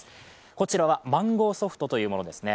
こちらはマンゴーソフトというものですね。